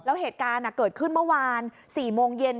แล้วเหตุการณ์เกิดขึ้นเมื่อวาน๔โมงเย็น